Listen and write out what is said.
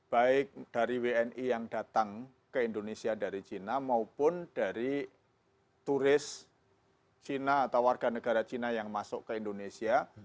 baik dari wni yang datang ke indonesia dari china maupun dari turis cina atau warga negara cina yang masuk ke indonesia